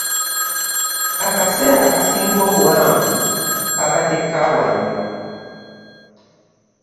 Akaseera akasinga obuwanvu kabadde ka wano.